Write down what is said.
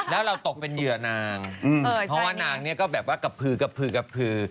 เผาหน่างเพราะว่าหน่างนี้ก็แบบว่ากระพือกระพือกระพือ